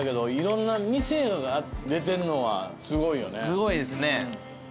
すごいですね。